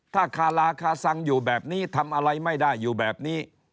ถ้าคาราคาซังอยู่แบบนี้ทำอะไรไม่ได้อยู่แบบนี้